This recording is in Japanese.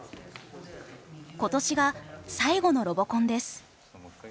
今年が最後のロボコンです。